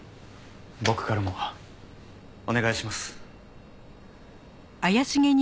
僕からもお願いします。